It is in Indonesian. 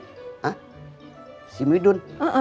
hah si midun